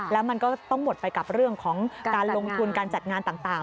แล้วมันก็ต้องหมดไปกับเรื่องของการลงทุนการจัดงานต่าง